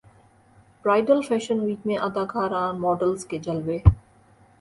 bridal fashion week میں اداکاراں models کے جلوے